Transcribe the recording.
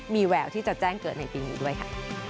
มีแววที่จะแจ้งเกิดในปีนี้ด้วยค่ะ